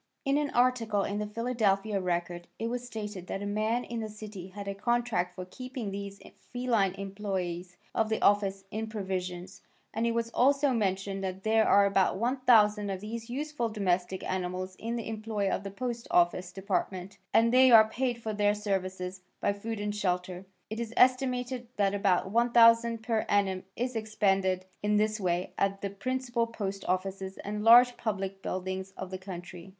In an article in the Philadelphia Record it was stated that a man in that city had a contract for keeping these feline employes of the office in provisions, and it was also mentioned that there are about 1,000 of these useful domestic animals in the employ of the Post Office Department and they are paid for their services by food and shelter. It is estimated that about $1,000 per annum is expended in this way at the principal post offices and large public buildings of the country.